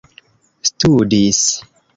studis